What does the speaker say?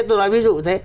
tôi nói ví dụ thế